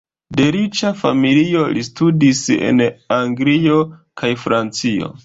De riĉa familio, li studis en Anglio kaj Francio.